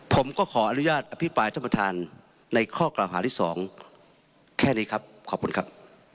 ผมก็ขออนุญาตอภิปรายท่านประธานในข้อกล่าวหาที่๒แค่นี้ครับขอบคุณครับ